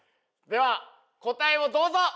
では答えをどうぞ！